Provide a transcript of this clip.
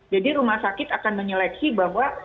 jadi rumah sakit akan menyeleksi bahwa